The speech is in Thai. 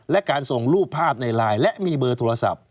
และการส่งรูปภาพในไลน์และมีเบอร์โทรศัพท์